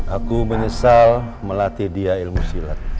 aku menyesal melatih dia ilmu silat